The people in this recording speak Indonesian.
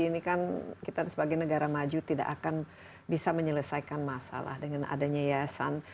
ini kan kita sebagai negara maju tidak akan bisa menyelesaikan masalah dengan adanya yayasan